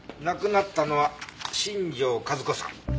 亡くなったのは新庄和子さん。